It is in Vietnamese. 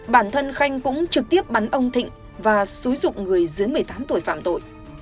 bản thân khanh cũng trực tiếp bắn ông thịnh và xúi dục người dưới một mươi tám tuổi phạm tội